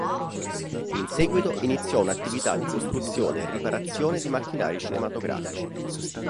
In seguito iniziò un'attività di costruzione e riparazione di macchinari cinematografici.